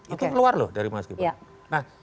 itu keluar loh dari mas gibran